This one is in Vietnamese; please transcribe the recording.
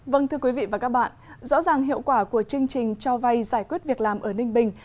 vâng thưa quý vị và các bạn rõ ràng hiệu quả của chương trình cho vay giải quyết việc làm ở ninh bình